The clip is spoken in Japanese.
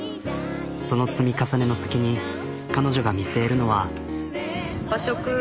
その積み重ねの先に彼女が見据えるのは。